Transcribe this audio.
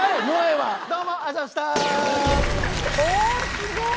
すごい！